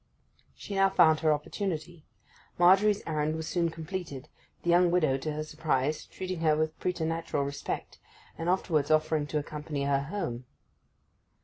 She now found her opportunity. Margery's errand was soon completed, the young widow, to her surprise, treating her with preternatural respect, and afterwards offering to accompany her home.